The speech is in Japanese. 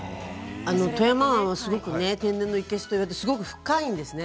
富山湾は、天然の生けすといわれていてすごく深いですね。